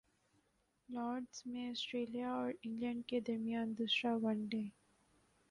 Lords میں Australia اور England کے درمیان دوسرا ون ڈے